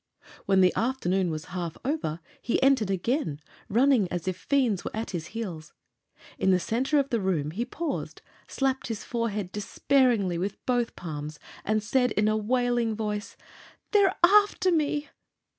When the afternoon was half over he entered again, running as if fiends were at his heels. In the center of the room he paused, slapped his forehead despairingly with both palms, and said in a wailing voice: "They're after me!"